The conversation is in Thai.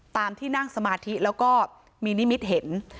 ตามที่นั่งสมาธิแล้วก็มีนิมิตเห็น